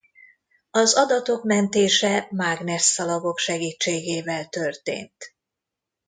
Az adatok mentése mágnesszalagok segítségével történt.